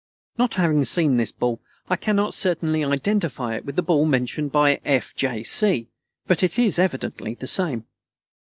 Not having seen this ball, I cannot certainly identify it with the ball mentioned by F. J. C., but it is evidently the same.